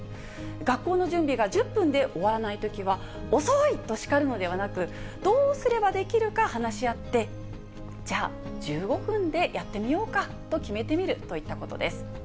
学校の準備が１０分で終わらないときは、遅いと叱るのではなく、どうすればできるか話し合って、じゃあ、１５分でやってみようかと決めてみるといったことです。